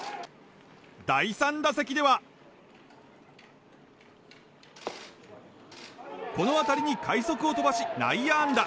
第３打席では、この当たりに快足を飛ばし内野安打。